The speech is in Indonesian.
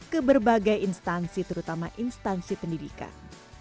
ke berbagai instansi terutama instansi pendidikan